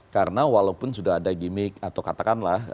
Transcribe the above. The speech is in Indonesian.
karena walaupun sudah ada gimmick atau katakanlah